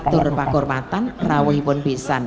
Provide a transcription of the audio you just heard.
maturun pakurmatan rawih pun besan